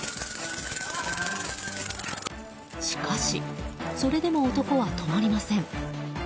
しかしそれでも男は止まりません。